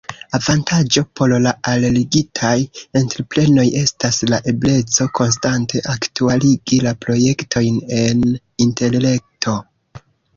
Avantaĝo por la alligitaj entreprenoj estas la ebleco konstante aktualigi la projektojn en Interreto.